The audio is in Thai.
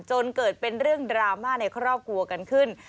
จนเกิดเป็นเรื่องดราม่าในครอบครัวกันขึ้น